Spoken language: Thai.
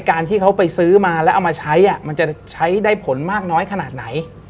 การที่เขาไปซื้อมาแล้วเอามาใช้มันจะใช้ได้ผลมากน้อยขนาดไหน